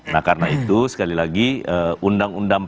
nah karena itu sekali lagi undang undang